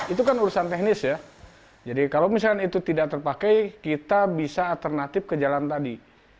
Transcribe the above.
itu kan urusan teknis ya jadi kalau misalnya itu tidak terpakai kita bisa alternatif ke jalan tadi